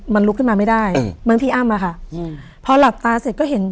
มันลุกขึ้นมาไม่ได้อืมเหมือนพี่อ้ำอะค่ะอืมพอหลับตาเสร็จก็เห็น